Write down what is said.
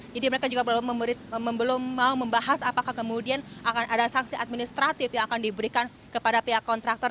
jadi mereka juga belum mau membahas apakah kemudian akan ada sanksi administratif yang akan diberikan kepada pihak kontraktor